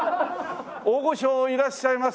大御所いらっしゃいます？